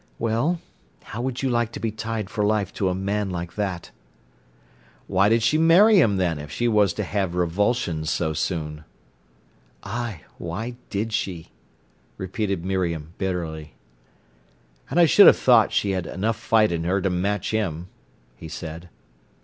"Well—how would you like to be tied for life to a man like that?" "Why did she marry him, then, if she was to have revulsions so soon?" "Ay, why did she!" repeated Miriam bitterly. "And I should have thought she had enough fight in her to match him," he said.